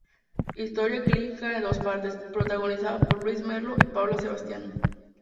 Historia clínica en dos partes", protagonizada por Luis Merlo y Paula Sebastián.